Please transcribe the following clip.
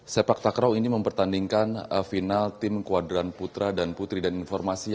sepak takraw ini mempertandingkan final tim kuadran putra dan putri dan informasinya